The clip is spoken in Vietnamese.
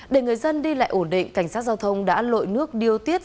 để người dân đi lại ổn định cảnh sát giao thông đã lội nước điều tiết